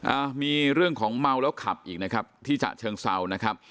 อ่ามีเรื่องของเมาแล้วขับอีกนะครับที่ฉะเชิงเซานะครับ